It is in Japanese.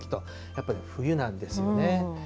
やっぱり冬なんですよね。